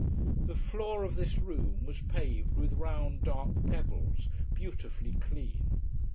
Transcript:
The floor of this room was paved with round dark pebbles, beautifully clean.